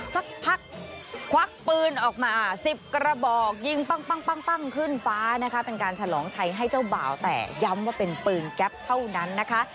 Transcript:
สักพักควักปืนออกมา๑๐กระบอกยิงปั้งขึ้นฟ้านะคะเป็นการฉลองชัยให้เจ้าบ่าวแต่ย้ำว่าเป็นปืนแก๊ปเท่านั้นนะคะ